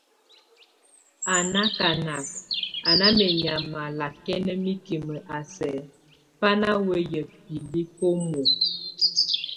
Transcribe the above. A nakanak, a ná menyama lakɛna mikim a sɛk bá na weyá bilik omok.